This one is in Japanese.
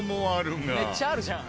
めっちゃあるじゃん！